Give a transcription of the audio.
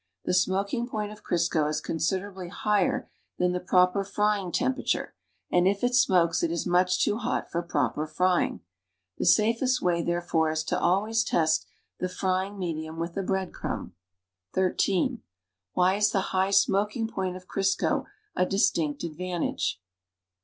The smoking point of Crisco is considerably higher than the proper frying temperature, and if it siuokes, it is much too hot for proper frying. The safest way, therefore, is to always test the frying medium with a bread cruiub. (13) AVhy is the high smoking point of Crisco a distinct advantage?